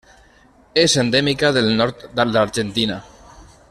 És endèmica del nord de l'Argentina.